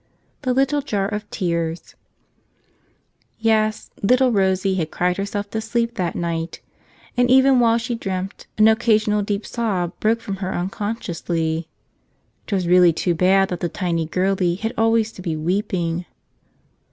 Cfte Little 3[ar of Ceacs ES ; little Rosie had cried herself to sleep that night; and even while she dreamt, an occa¬ sional deep sob broke from her unconsciously. 'Twas really too bad that the tiny girlie had always to be weeping.